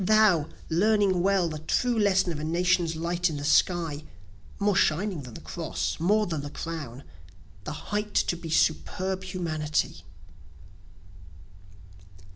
thou, learning well, The true lesson of a nation's light in the sky, (More shining than the Cross, more than the Crown,) The height to be superb humanity.